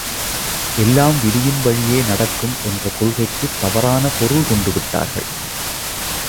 எல்லாம் விதியின் வழியே நடக்கும் என்ற கொள்கைக்குத் தவறான பொருள் கொண்டுவிட்டார்கள்.